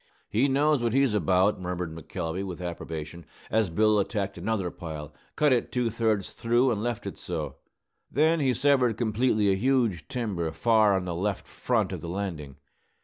"He knows what he's about," murmured McElvey, with approbation, as Bill attacked another pile, cut it two thirds through, and left it so. Then he severed completely a huge timber far on the left front of the landing.